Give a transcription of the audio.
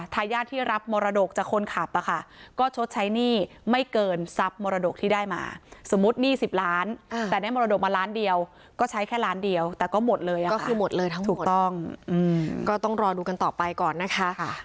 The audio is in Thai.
ซับมรดกที่ได้มาสมมติหนี้สิบล้านแต่ได้มรดกมาล้านเดียวก็ใช้แค่ล้านเดียวแต่ก็หมดเลยก็คือหมดเลยทั้งหมดถูกต้องอืมก็ต้องรอดูกันต่อไปก่อนนะคะ